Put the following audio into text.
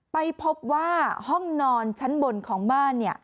ไปพบว่าห้องนอนชั้นบนของบ้าน